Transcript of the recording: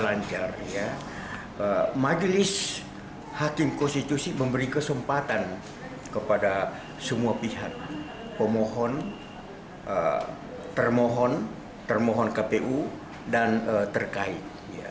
lancar majelis hakim konstitusi memberi kesempatan kepada semua pihak pemohon termohon termohon kpu dan terkait